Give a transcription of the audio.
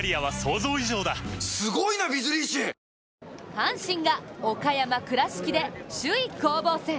阪神が岡山・倉敷で首位攻防戦。